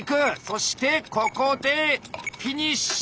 そしてここでフィニッシュ！